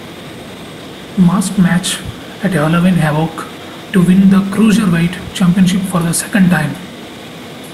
Mask match at Halloween Havoc to win the Cruiserweight Championship for the second time.